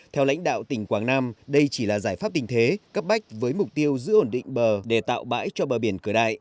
theo lãnh đạo tỉnh quảng nam đây chỉ là giải pháp tình thế cấp bách với mục tiêu giữ ổn định bờ để tạo bãi cho bờ biển cửa đại